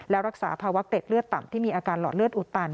และรักษาภาวะเกร็ดเลือดต่ำที่มีอาการหลอดเลือดอุดตัน